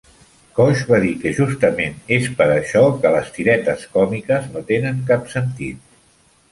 Cosh va dir que justament es per això que les tiretes còmiques no tenen cap sentit.